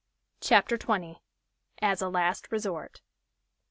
CHAPTER XX. AS A LAST RESORT.